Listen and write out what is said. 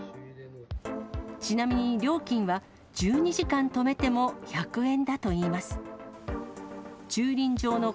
ちなみに料金は、１２時間止めても１００円だといいます。